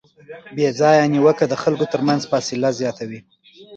بېځایه نیوکه د خلکو ترمنځ فاصله زیاتوي.